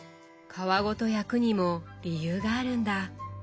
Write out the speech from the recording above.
皮ごと焼くにも理由があるんだ。